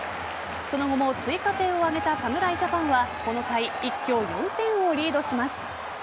その後も追加点を挙げた侍ジャパンはこの回、一挙４点をリードします。